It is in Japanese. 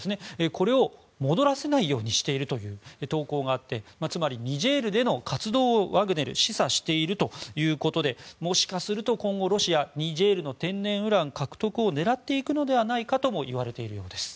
これを戻らせないようにしているという投稿があってつまりニジェールでの活動をワグネル示唆しているということでもしかすると今後ロシアニジェールの天然ウラン獲得を狙っていくのではないかといわれているようです。